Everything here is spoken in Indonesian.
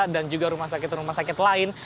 dan juga rumah sakit rumah sakit lain